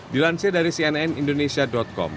dilansir dari cnn indonesia com